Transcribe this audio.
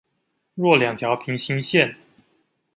若兩條平行線